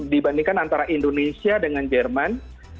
dibandingkan antara indonesia dengan jerman